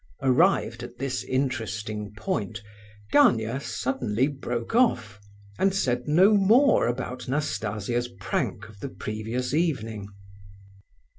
Arrived at this interesting point, Gania suddenly broke off, and said no more about Nastasia's prank of the previous evening.